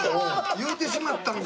言うてしまったんか。